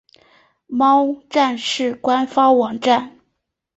猫战士官方网站